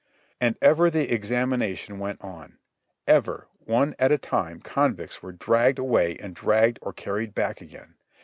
And ever the examination went on. Ever, one at a time, convicts were dragged away and dragged or carried back again.